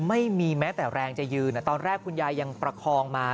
ไม่มีแม้แต่แรงจะยืนตอนแรกคุณยายยังประคองมา